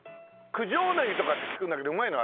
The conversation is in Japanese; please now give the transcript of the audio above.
ねぎとかって聞くんだけどうまいの？